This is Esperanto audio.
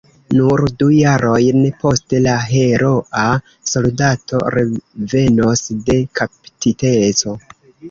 Nur du jarojn poste la heroa soldato revenos de kaptiteco.